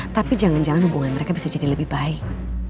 tapi jangan jangan hubungan mereka bisa jadi lebih baik